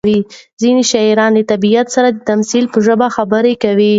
ځینې شاعران له طبیعت سره د تمثیل په ژبه خبرې کوي.